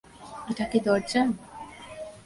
এটা কি দরজা?